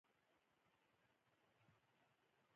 مولوي صاحب ورته کوم کارت ورښکاره کړ.